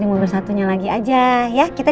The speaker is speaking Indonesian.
cuma agak rewel baru bangun tidur kan